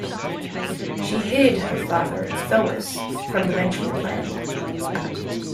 She hid her father, Thoas, from the vengeful plan.